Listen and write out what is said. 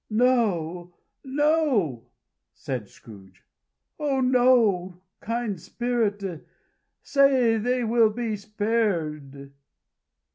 "No, no," said Scrooge. "Oh, no, kind Spirit! say he will be spared."